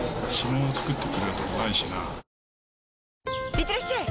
いってらっしゃい！